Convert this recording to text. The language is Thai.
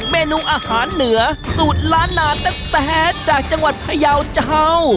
เมนูอาหารเหนือสูตรล้านนาแต๊จากจังหวัดพยาวเจ้า